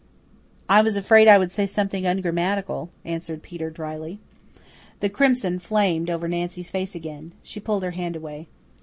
"I was afraid I would say something ungrammatical," answered Peter drily. The crimson flamed over Nancy's face again. She pulled her hand away.